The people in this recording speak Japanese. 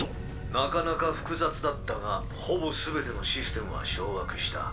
なかなか複雑だったがほぼ全てのシステムは掌握した。